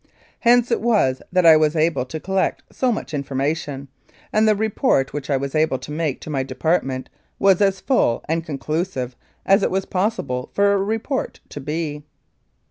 Hence it was that I was able to collect so much information, and the report which I was able to make to my department was as full and conclusive as it was possible for a report to be.